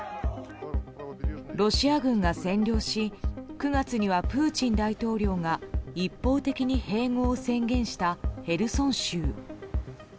ロシア軍が占領し９月にはプーチン大統領が一方的に併合を宣言したヘルソン州。